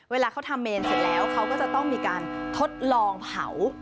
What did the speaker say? เวลาเขาทำเมนเสร็จแล้วเขาก็จะต้องมีการทดลองเผา